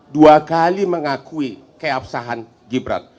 dua kali mengakui keabsahan gibran